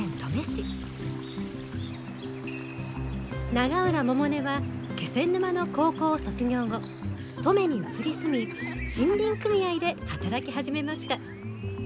永浦百音は気仙沼の高校を卒業後登米に移り住み森林組合で働き始めました。